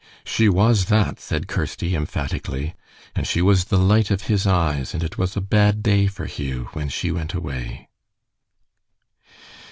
"She was that," said Kirsty, emphatically, "and she was the light of his eyes, and it was a bad day for Hugh when she went away."